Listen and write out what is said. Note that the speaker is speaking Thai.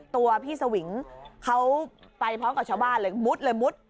ตัวพี่สวิงเขาไปพร้อมกับชาวบ้านเลยมุดเลยมุด